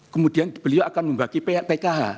kemudian beliau akan membagi pkh